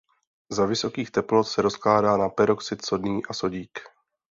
Za vysokých teplot se rozkládá na peroxid sodný a sodík.